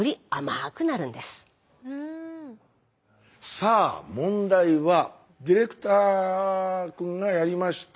さあ問題はディレクターくんがやりました。